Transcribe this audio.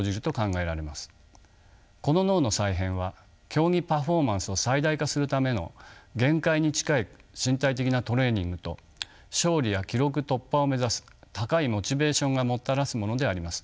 この脳の再編は競技パフォーマンスを最大化するための限界に近い身体的なトレーニングと勝利や記録突破を目指す高いモチベーションがもたらすものであります。